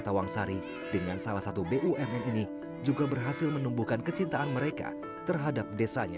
tawangsari dengan salah satu bumn ini juga berhasil menumbuhkan kecintaan mereka terhadap desanya